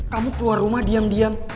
kamu keluar rumah diam diam